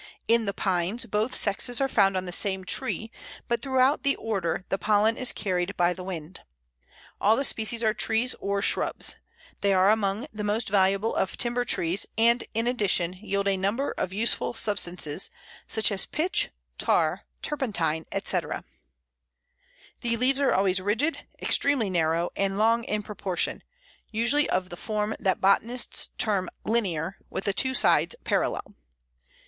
In the Pines both sexes are found on the same tree; but throughout the order the pollen is carried by the wind. All the species are trees, or shrubs. They are among the most valuable of timber trees, and, in addition, yield a number of useful substances, such as pitch, tar, turpentine, etc. The leaves are always rigid, extremely narrow, and long in proportion: usually of the form that botanists term linear, with the two sides parallel.